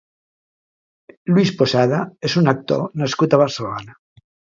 Luis Posada és un actor nascut a Barcelona.